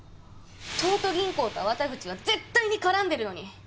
東都銀行と粟田口は絶対に絡んでるのに。